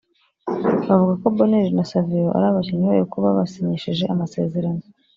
bavuga ko Bonheur na Savio ari abakinnyi bayo kuko babasinyishije amasezerano